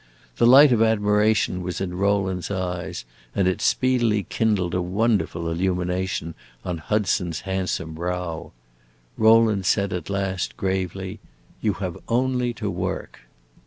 The light of admiration was in Rowland's eyes, and it speedily kindled a wonderful illumination on Hudson's handsome brow. Rowland said at last, gravely, "You have only to work!"